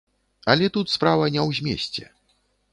Але тут справа не ў змесце.